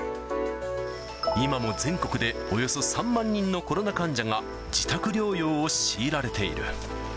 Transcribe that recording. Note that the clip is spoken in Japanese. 今も全国でおよそ３万人のコロナ患者が、自宅療養を強いられている。